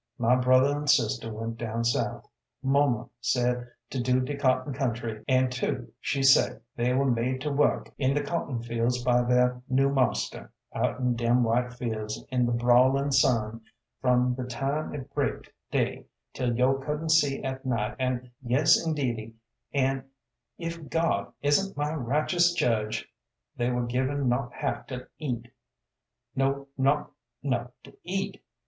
My brother an' sister went down south. Muma sed to de cotton country an' too, she say, "they were made to work [SP: wrok] in th' cotton fields by their new marster, out in dem white fields in th' brawlin' sun from th' time it breaked day 'till yo' couldn't see at night an', yes indeedy, an' if God isn't my right'ous judge they were given not half to eat, no not 'nough, to eat.